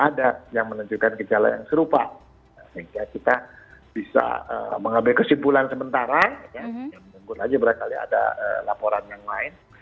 ada yang menunjukkan kejalan yang serupa kita bisa mengambil kesimpulan sementara ada laporan yang lain